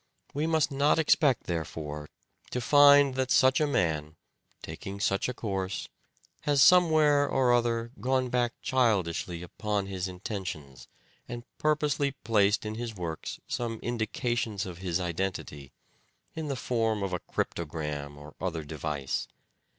We must not expect, therefore, to find that such a man, taking such a course, has somewhere or other gone back childishly upon his intentions, and purposely placed in his works some indications of his identity, in the form of a cryptogram or other device.